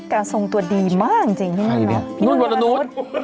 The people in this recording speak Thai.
กาทรงตัวดีมากจริงนี่มันน่ะพี่นุ่นวลนุษย์พี่นุ่นวลนุษย์